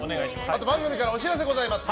あと、番組からお知らせございます。